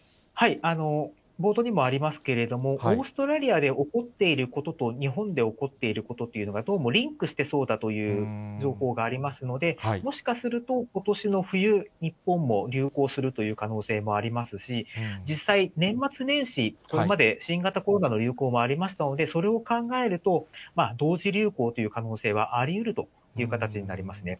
ボードにもありますけれども、オーストラリアで起こっていることと、日本で起こっていることっていうのが、どうもリンクしてそうだという情報がありますので、もしかすると、ことしの冬、日本も流行するという可能性もありますし、実際、年末年始、これまで新型コロナの流行もありましたので、それを考えると、同時流行という可能性はありうるという形になりますね。